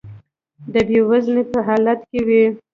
د بې وزنۍ په حالت کې وي.